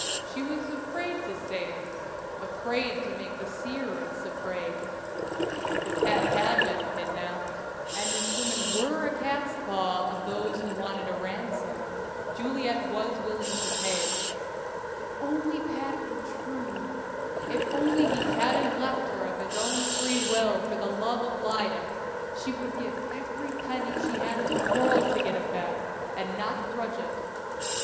She was afraid to say it afraid to make the seeress afraid! If Pat had been kidnapped, and this woman were a catspaw of those who wanted a ransom, Juliet was willing to pay. If only Pat were true if only he hadn't left her of his own free will for love of Lyda, she would give every penny she had in the world to get him back, and not grudge it!